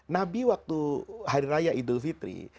nabi waktu hari raya idul fitri